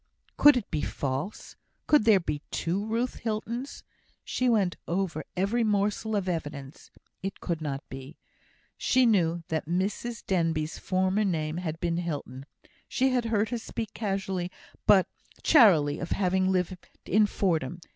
Could it be false? Could there be two Ruth Hiltons? She went over every morsel of evidence. It could not be. She knew that Mrs Denbigh's former name had been Hilton. She had heard her speak casually, but charily, of having lived in Fordham.